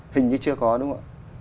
hình như chưa có đúng không ạ